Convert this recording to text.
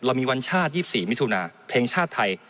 มีวันชาติ๒๔มิถุนาเพลงชาติไทย